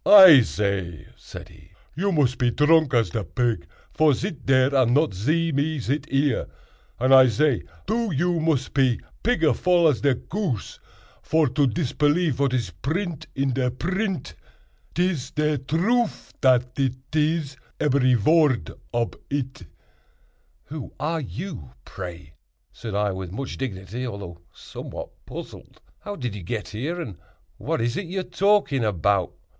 "I zay," said he, "you mos pe dronk as de pig, vor zit dare and not zee me zit ere; and I zay, doo, you mos pe pigger vool as de goose, vor to dispelief vat iz print in de print. 'Tiz de troof—dat it iz—eberry vord ob it." "Who are you, pray?" said I, with much dignity, although somewhat puzzled; "how did you get here? and what is it you are talking about?"